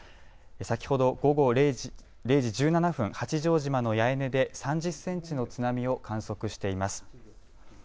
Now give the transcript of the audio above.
先ほど午後０時１７分八丈島の八重根で３０センチの津波を観測しています。